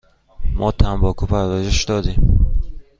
ما تنباکو پرورش دادیم.